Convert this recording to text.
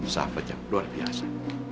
sahabat yang luar biasa